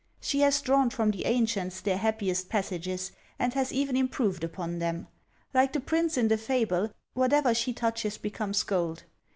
She has drawn from the ancients their happiest passages, and has even improved upon them; like the prince in the fable, whatever she touches becomes gold.